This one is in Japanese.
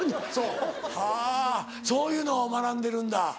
はぁそういうのを学んでるんだ。